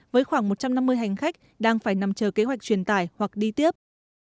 với khoảng một trăm năm mươi hành khách đang phải nằm chờ kế hoạch truyền tải hoặc đi tiếp